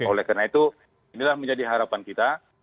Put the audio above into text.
oleh karena itu inilah menjadi harapan kita